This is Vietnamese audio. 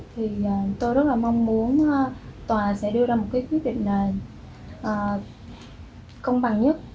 thì tôi rất là mong muốn tòa sẽ đưa ra một cái quyết định công bằng nhất